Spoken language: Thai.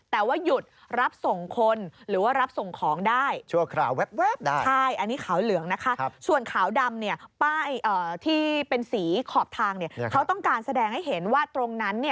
แต่ว่าหยุดรับส่งคนหรือว่ารับส่งของได้